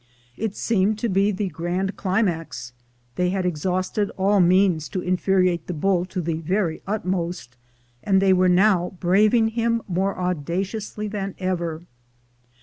It seemed to be the grand cli max; they had exhausted all means to infuriate the bull to the very utmost, and they were now braving him more audaciously than ever.